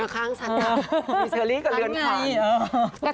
ข้างฉันก็มีเชอรี่กับเรือนขวัญ